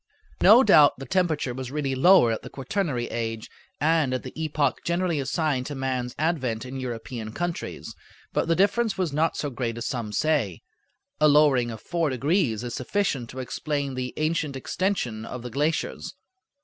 No doubt the temperature was really lower at the quaternary age and at the epoch generally assigned to man's advent in European countries, but the difference was not so great as some say. A lowering of four degrees is sufficient to explain the ancient extension of the glaciers.